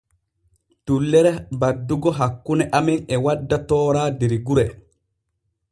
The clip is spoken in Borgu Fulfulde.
Dullere baddugo hakkune amen e wadda toora der gure.